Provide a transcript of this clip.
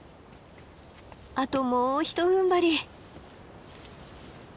あともうひとふんばり。